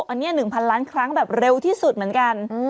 อันนี้๑๐๐ล้านครั้งแบบเร็วที่สุดเหมือนกัน